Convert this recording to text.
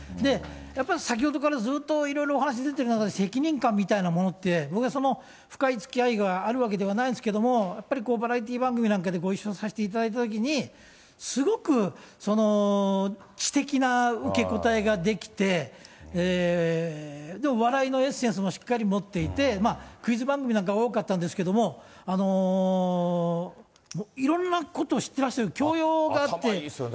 やっぱり先ほどからずっといろいろお話出てる中で責任感みたいなものって、僕はその深いつきあいがあるわけではないんですけれども、やっぱりバラエティー番組なんかでご一緒させていただいたときに、すごく知的な受け答えができて、でも笑いのエッセンスもしっかり持っていて、クイズ番組なんか多かったんですけれども、いろんなことを知ってらっしゃる、頭いいですよね。